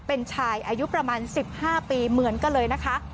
เป็นชายอายุประมาณ๑๕ปีเหมือนกันเลยนะคะ